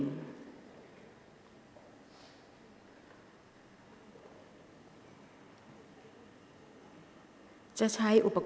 กรรมการใหม่เลขเก้า